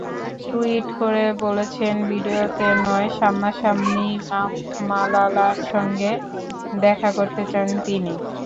Tweet করে বলেছেন, ভিডিওতে নয়, সামনাসামনিই মালালার সঙ্গে দেখা করতে চান তিনি।